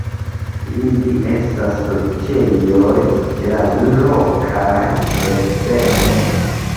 Ili estas loĝejoj de la lokaj berberoj.